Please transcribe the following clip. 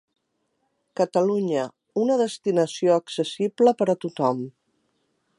Catalunya, una destinació accessible per a tothom.